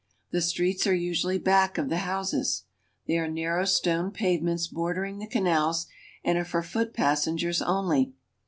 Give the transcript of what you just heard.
The streets are usually back of the houses. They are narrow stone pave ments bordering the canals, and are for foot passengers only.